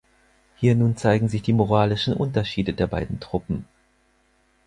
Hier nun zeigen sich die moralischen Unterschiede der beiden Truppen.